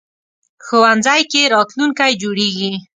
ښوونځی کې راتلونکی جوړېږي